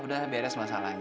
ya udah beres masalahnya